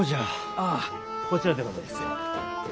ああこちらでございやす。